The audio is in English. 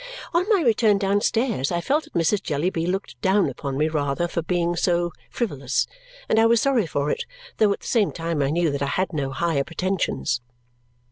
On my return downstairs, I felt that Mrs. Jellyby looked down upon me rather for being so frivolous, and I was sorry for it, though at the same time I knew that I had no higher pretensions.